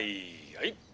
はい！」。